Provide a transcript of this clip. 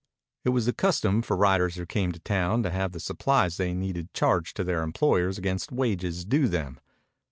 It was the custom for riders who came to town to have the supplies they needed charged to their employers against wages due them.